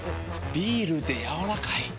ビールでやわらかい。